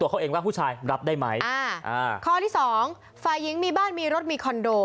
ข้อที่๒ฝ่ายหญิงมีบ้านมีรถมีคอนโด